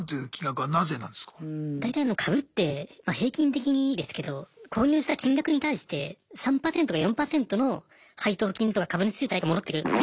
大体株ってまあ平均的にですけど購入した金額に対して３％とか４％の配当金とか株主優待が戻ってくるんですね。